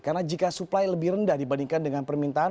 karena jika supply lebih rendah dibandingkan dengan permintaan